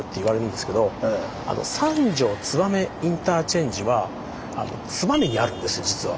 燕インターチェンジは燕にあるんですよ実は。